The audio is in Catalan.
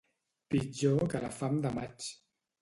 Pitjor que la fam de maig.